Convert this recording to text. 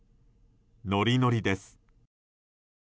ノリノリです。